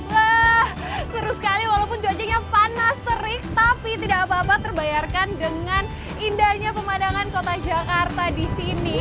wah seru sekali walaupun cuacanya panas terik tapi tidak apa apa terbayarkan dengan indahnya pemandangan kota jakarta di sini